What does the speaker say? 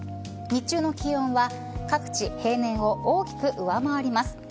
日中の気温は平年を大きく回ります。